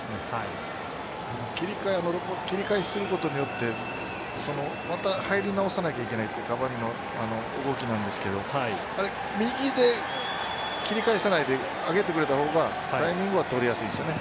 切り替えすることによってまた入り直さなければいけないというカヴァーニの動きなんですが右で切り返さないで上げてくれた方がタイミングは取りやすいですよね。